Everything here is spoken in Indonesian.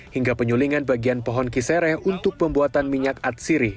hingga penyulingan bagian pohon kisereh untuk pembuatan minyak atsiri